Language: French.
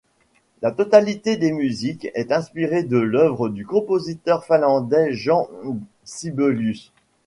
La totalité des musiques est inspirée de l’œuvre du compositeur finlandais Jean Sibelius.